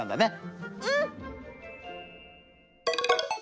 うん！